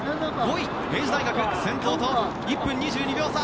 ５位、明治大学先頭とは１分２２秒差。